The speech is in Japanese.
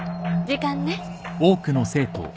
時間ね。